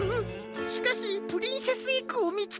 しかしプリンセスエッグをみつけませんと。